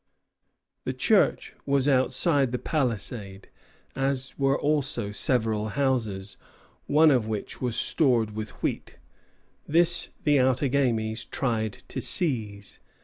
The church was outside the palisade, as were also several houses, one of which was stored with wheat. This the Outagamies tried to seize.